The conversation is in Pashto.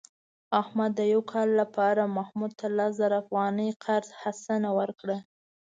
احمد د یو کال لپاره محمود ته لس زره افغانۍ قرض حسنه ورکړه.